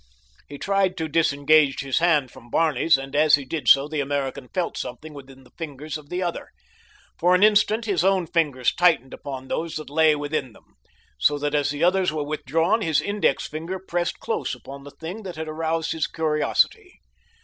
He tried to disengage his hand from Barney's, and as he did so the American felt something within the fingers of the other. For an instant his own fingers tightened upon those that lay within them, so that as the others were withdrawn his index finger pressed close upon the thing that had aroused his curiosity.